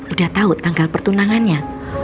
udah tau tanggal pertunangannya